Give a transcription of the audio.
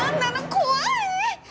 怖い！